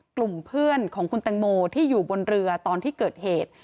กลุ่มเพื่อนของคุณแตงโมที่อยู่บนเรือตอนที่เกิดเหตุ